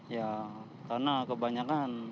ya karena kebanyakan